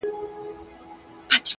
ښه عادتونه لوی بدلونونه راولي.!